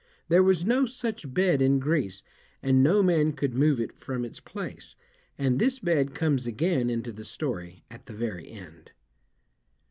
There was no such bed in Greece, and no man could move it from its place, and this bed comes again into the story, at the very end.